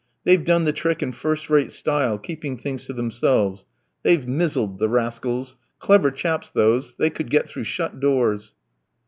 They've done the trick in first rate style, keeping things to themselves; they've mizzled, the rascals; clever chaps, those, they could get through shut doors!"